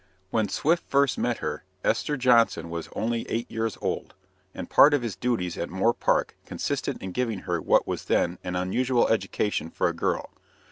When Swift first met her, Esther Johnson was only eight years old; and part of his duties at Moor Park consisted in giving her what was then an unusual education for a girl.